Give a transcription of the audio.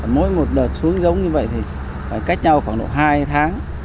mỗi một lợt xuống giống như vậy thì phải cách nhau khoảng độ hai tháng